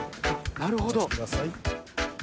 なるほど。